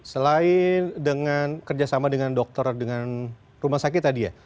selain dengan kerjasama dengan dokter dengan rumah sakit tadi ya